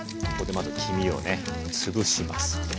ここでまず黄身をねつぶします。